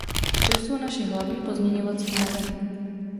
To jsou naše hlavní pozměňovací návrhy.